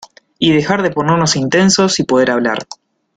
y dejar de ponernos intensos y poder hablar.